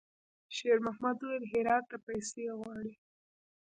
شېرمحمد وويل: «هرات ته پیسې غواړي.»